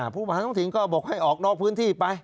ผู้บริหารท้องถิ่นก็บอกให้ออกนอกพื้นที่ไป